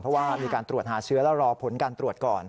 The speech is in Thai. เพราะว่ามีการตรวจหาเชื้อแล้วรอผลการตรวจก่อน